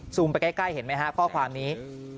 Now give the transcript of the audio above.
ไปใกล้เห็นไหมฮะข้อความนี้